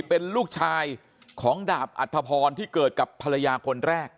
เป็นลูกชายของดาบอัธพรที่เกิดกับภรรยาคนแรก